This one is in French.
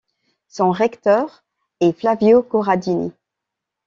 Son recteur est Flavio Corradini.